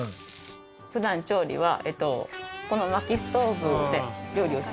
普段調理はこの薪ストーブで料理をしています。